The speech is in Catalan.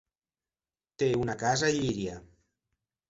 Té una casa a Llíria.